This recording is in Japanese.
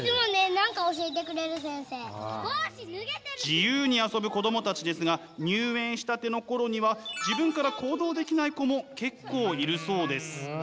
自由に遊ぶ子供たちですが入園したての頃には自分から行動できない子も結構いるそうです。